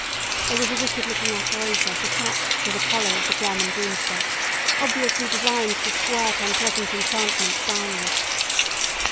There was a wicked looking apparatus attached to the collar of the German broomstick, obviously designed to squirt unpleasant enchantments downward.